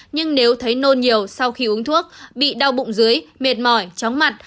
nhưng nếu thấy nôn nhiều sau khi uống thuốc bị đau bụng dưới mệt mỏi chóng mặt